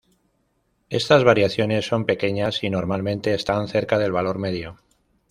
Estas variaciones son pequeñas y normalmente están cerca del valor medio.